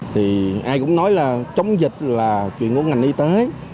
thì ai cũng nói là chống dịch là chuyện của ngành y tế